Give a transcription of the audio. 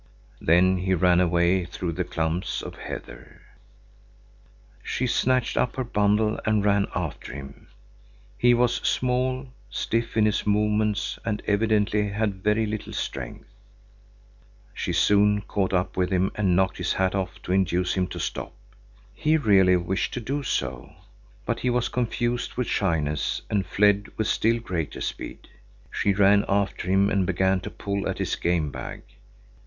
Then he ran away through the clumps of heather. She snatched up her bundle and ran after him. He was small, stiff in his movements and evidently had very little strength. She soon caught up with him and knocked his hat off to induce him to stop. He really wished to do so, but he was confused with shyness and fled with still greater speed. She ran after him and began to pull at his game bag.